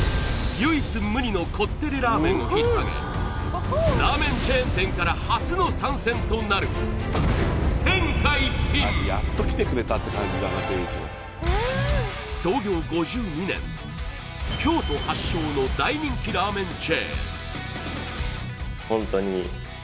唯一無二のこってりラーメンをひっさげラーメンチェーン店から初の参戦となる京都発祥の大人気ラーメンチェーン